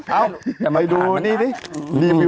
เอ้าอย่าไปดูนี่นี่